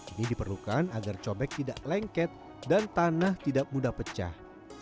ini diperlukan agar cobek tidak lengket dan tanah tidak mudah pecah